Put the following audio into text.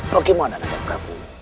bagaimana nanda prabu